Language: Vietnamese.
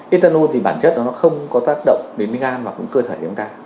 etanol thì bản chất nó không có tác động đến gan và cũng cơ thể của chúng ta